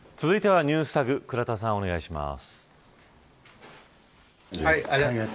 続いてはＮｅｗｓＴａｇ倉田さん、お願いします。